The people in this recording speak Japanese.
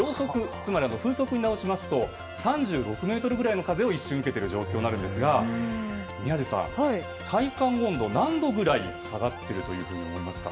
つまり風速に直しますと３６メートルぐらいの風を一瞬受けている状況になるんですが宮司さん、体感温度は何度ぐらい下がっていると思いますか？